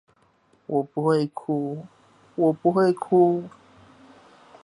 我不會哭！我不會哭！